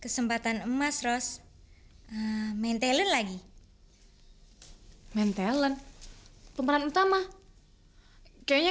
sampai jumpa di video selanjutnya